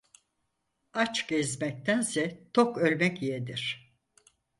Aç gezmektense tok ölmek yeğdir.